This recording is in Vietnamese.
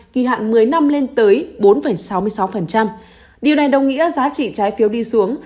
kỳ hạn một mươi năm lên tới bốn sáu mươi sáu điều này đồng nghĩa giá trị trái phiếu đi xuống